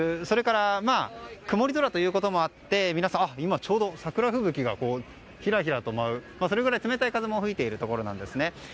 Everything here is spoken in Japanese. それから曇り空ということもあって今、ちょうど桜吹雪がひらひらと舞うそれぐらい冷たい風も吹いているところなんですね。